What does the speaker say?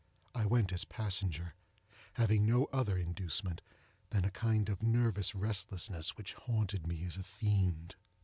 I went as passenger—having no other inducement than a kind of nervous restlessness which haunted me as a fiend.